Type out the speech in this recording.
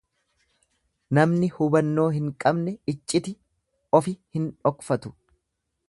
Namni hubannoo hin qabne icciti ofi hin dhokfatu.